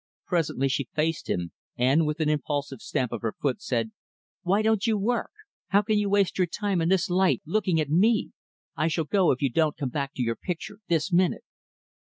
Presently, she faced him, and, with an impulsive stamp of her foot, said, "Why don't you work? How can you waste your time and this light, looking at me? I shall go, if you don't come back to your picture, this minute."